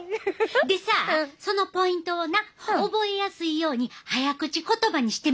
でさそのポイントをな覚えやすいように早口言葉にしてみてん。